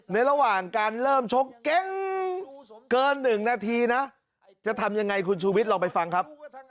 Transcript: ระหว่างการเริ่มชกเก่งเกิน๑นาทีนะจะทำยังไงคุณชูวิทยลองไปฟังครับ